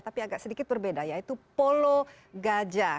tapi agak sedikit berbeda yaitu polo gajah